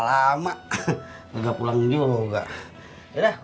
kayaknya kita bisa bikin perbuatan pak